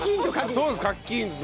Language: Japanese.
そうです。